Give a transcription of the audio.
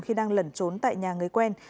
khi đang lẩn trốn tại nhà người quen